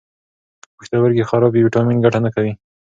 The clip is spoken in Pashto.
که پښتورګي خراب وي، ویټامین ګټه نه کوي.